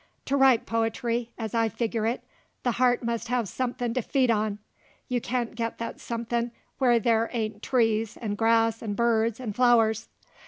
To write po'try, as I figure it, the heart must have somethin' to feed on; you can't get that somethin' whar there ain't trees 'nd grass 'nd birds 'nd flowers.